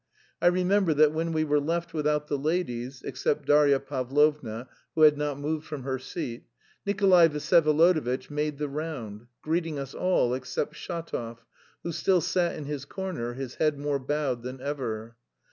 I remember that when we were left without the ladies (except Darya Pavlovna, who had not moved from her seat), Nikolay Vsyevolodovitch made the round, greeting us all except Shatov, who still sat in his corner, his head more bowed than ever.